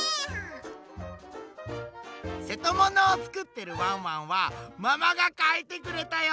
せとものをつくってるワンワンはママがかいてくれたよ！